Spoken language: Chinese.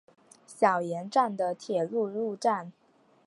小岩站的铁路车站。